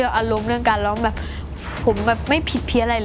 อยากทำงานให้รันพวะ